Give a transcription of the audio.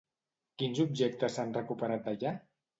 Quins objectes s'han recuperat d'allà?